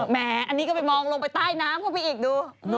แหมอันนี้ก็ไปมองลงไปใต้น้ำเข้าไปอีกดู